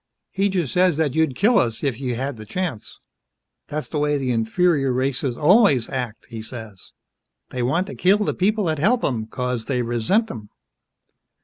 He just says that you'd kill us if you had th' chance. That's the way the inferior races always act, he says. They want to kill th' people that help 'em, 'cause they resent 'em."